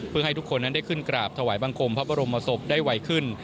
เพื่อให้ทุกคนนั้นได้ขึ้นกราบถวายบังคมพระบรมศพได้ไวขึ้น